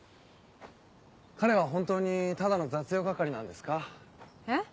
彼は本当にただの雑用係なんですか？えっ？